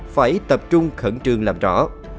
phải tập trung khẩn trương làm rõ